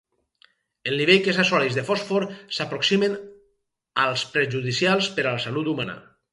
El nivell que s'assoleix de fòsfor s'aproximen als perjudicials per a la salut humana.